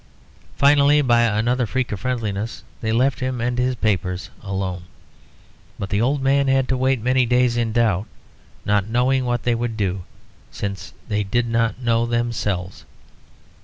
Finally by another freak of friendliness they left him and his papers alone; but the old man had to wait many days in doubt, not knowing what they would do, since they did not know themselves.